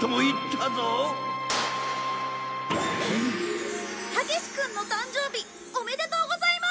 たけしくんの誕生日おめでとうございます！